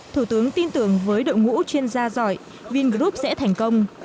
thủ tướng tin tưởng với đội ngũ chuyên gia giỏi vingroup sẽ thành công